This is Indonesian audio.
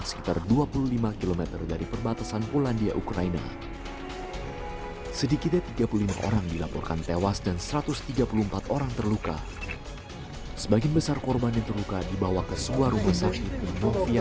sitter masih bertenaga untuk mencapai hasil penganumannya terhadap kesalahan ini